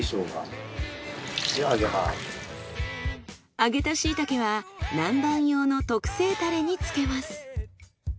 揚げたしいたけは南蛮用の特製タレに浸けます。